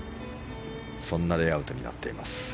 そんなレイアウトになってます。